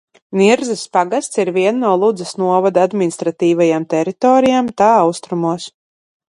Nirzas pagasts ir viena no Ludzas novada administratīvajām teritorijām tā austrumos.